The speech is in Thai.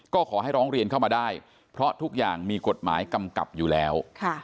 ก็ขอให้ร้องเรียนเข้ามาได้เพราะทุกอย่างมีกฎหมายกำกับอยู่แล้ว